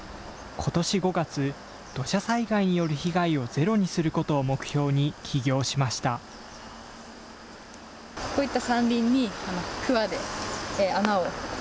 ことし５月、土砂災害による被害をゼロにすることを目標に起業しました。